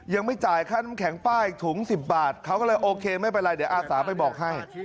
ยังไม่จ่ายค่าน้ำแข็งป้ายถุง๑๐บาทเขาก็เลยโอเคไม่เป็นไรเดี๋ยวอาสาไปบอกให้